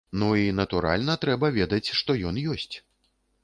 Ну і, натуральна, трэба ведаць, што ён ёсць.